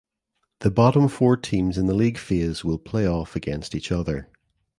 The bottom four teams in the league phase will play off against each other.